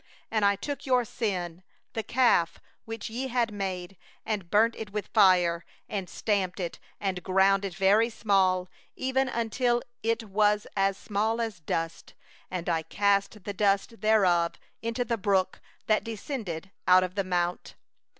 21And I took your sin, the calf which ye had made, and burnt it with fire, and beat it in pieces, grinding it very small, until it was as fine as dust; and I cast the dust thereof into the brook that descended out of the mount.